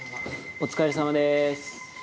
お疲れさまです。